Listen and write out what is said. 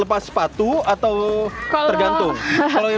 lama saat saat menangkan haus da terady